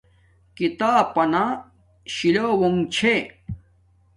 کھیتاپ پنا شیلوونݣ چھے